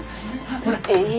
ええ！？